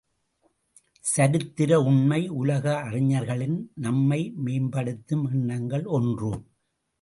சரித்திர உண்மை உலக அறிஞர்களின் நம்மை மேம்படுத்தும் எண்ணங்கள் ஒன்று.